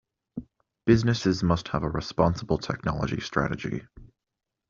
Businesses must have a responsible technology strategy.